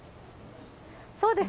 そうです。